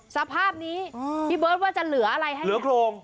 สภาพนี้พี่เบิร์ตว่าจะเหลืออะไรให้เหลือโครง